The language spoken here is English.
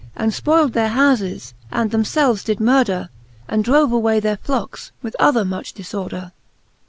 And fpoyld their houfes, and them felves did murder, And drove away their flocks, with other much diforder, XL.